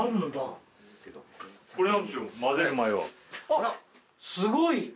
あっすごい！